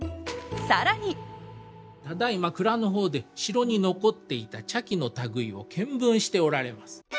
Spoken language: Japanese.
更にただいま蔵の方で城に残っていた茶器の類いを見聞しておられます。